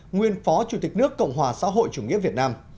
nguyên phó chủ tịch nước cộng hòa xã hội chủ nghĩa việt nam